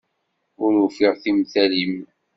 Ur ufiɣ timtal-im.